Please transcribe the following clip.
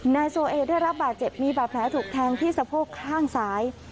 นายโซเอได้รับบาดเจ็บมีบาดแผลถูกแทงที่สะโพกข้างซ้าย